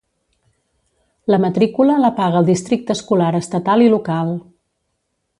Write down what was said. La matrícula la paga el districte escolar estatal i local.